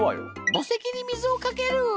墓石に水をかける。